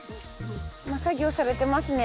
今作業されてますね。